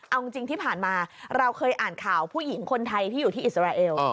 เอาจริงที่ผ่านมาเราเคยอ่านข่าวผู้หญิงคนไทยที่อยู่ที่อิสราเอล